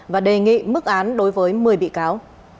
và đề nghị mức án đối với một mươi bị cáo